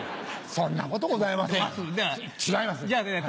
そんなことございません違います。